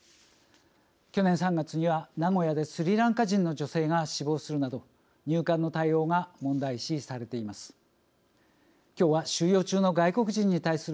去年３月には名古屋でスリランカ人の女性が死亡するなど入管の対応が問題視されています。